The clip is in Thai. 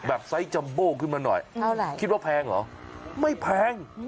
ไซส์จัมโบ้ขึ้นมาหน่อยคิดว่าแพงเหรอไม่แพง